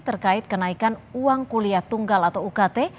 terkait kenaikan uang kuliah tunggal atau ukt